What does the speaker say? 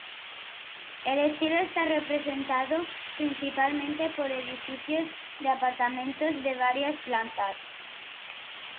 El estilo está representado principalmente por edificios de apartamentos de varias plantas.